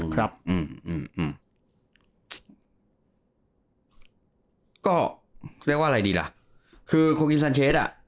ก็เรียกว่าอะไรดีล่ะคือโคกินซันเชสอ่ะ